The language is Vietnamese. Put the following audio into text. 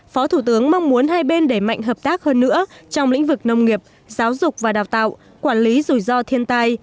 phó thủ tướng mong muốn hai bên đẩy mạnh hợp tác hơn nữa trong lĩnh vực nông nghiệp giáo dục và đào tạo quản lý rủi ro thiên tai